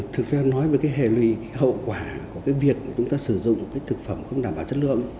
thực phẩm nói về hệ lùi hậu quả của việc chúng ta sử dụng thực phẩm không đảm bảo chất lượng